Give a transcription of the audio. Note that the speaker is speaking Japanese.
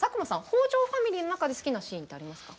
北条ファミリーの中で好きなシーンってありますか？